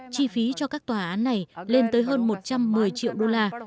chi phí cho các tòa án này lên tới hơn một trăm một mươi triệu đô la